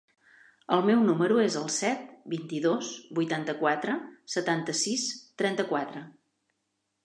El meu número es el set, vint-i-dos, vuitanta-quatre, setanta-sis, trenta-quatre.